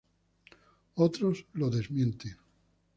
Otros lo desmienten.